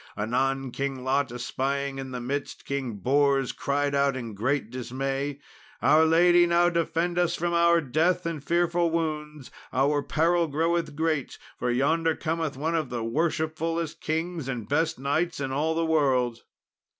Anon King Lot, espying in the midst King Bors, cried out in great dismay, "Our Lady now defend us from our death and fearful wounds; our peril groweth great, for yonder cometh one of the worshipfullest kings and best knights in all the world."